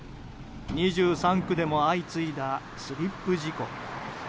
２３区でも相次いだスリップ事故。